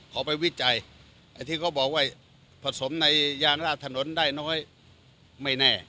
เขาไปวิจัยไอ้ที่เขาบอกว่าผสมในยานราดถนนได้น้อยไม่แน่